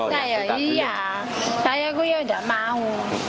iya saya juga tidak mau